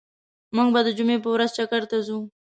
موږ به د جمعی په ورځ چکر ته ځو